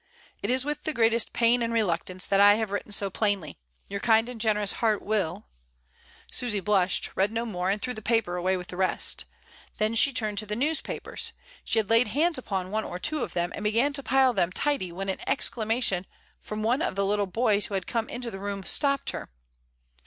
"It is with the greatest pain and reluctance that I have written so plainly. Your kind and generous heart will " Susy blushed, read no more, and threw the paper away with the rest; then she turned to the news papers— she had laid hands upon one or two of them, and began to pile them tidy when an excla mation from one of the little boys who had come into the room stopped her.